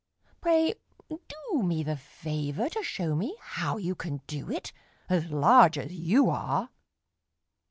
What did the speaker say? Pray do me the favor to show me how you Can do it, as large as you are."